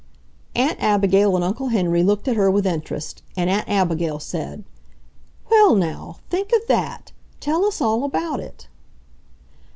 Aunt Abigail and Uncle Henry looked at her with interest, and Aunt Abigail said: "Well, now, think of that! Tell us all about it!"